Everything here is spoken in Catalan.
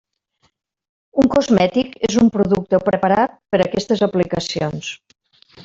Un cosmètic és un producte o preparat per aquestes aplicacions.